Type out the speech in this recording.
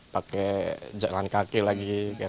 saya menggunakan jalan jalan